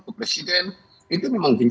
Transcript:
ke presiden itu memang